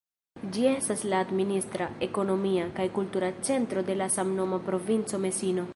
Ĝi estas la administra, ekonomia kaj kultura centro de la samnoma provinco Mesino.